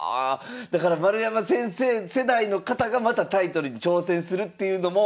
だから丸山先生世代の方がまたタイトルに挑戦するっていうのも。